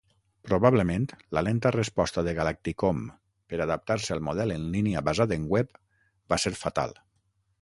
Probablement, la lenta resposta de Galacticomm per adaptar-se al model en línia basat en web va ser fatal.